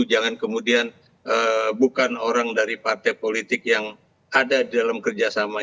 jangan kemudian bukan orang dari partai politik yang ada dalam kerjasama